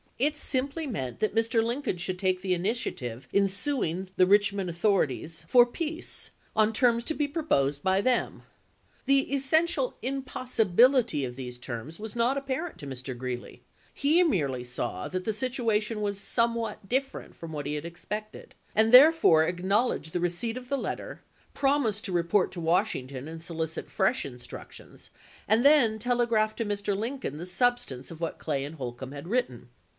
It simply meant that Mr. Lincoln should take the initiative in suing the Richmond author 192 ABRAHAM LINCOLN chap. viii. ities for peace, on terms to be proposed by them. The essential impossibility of these terms was not apparent to Mr. Greeley ; he merely saw that the situation was somewhat different from what he had expected, and therefore acknowledged the re ceipt of the letter, promised to report to Wash ington and solicit fresh instructions, and then telegraphed to Mr. Lincoln the substance of what Clay and Holcombe had written.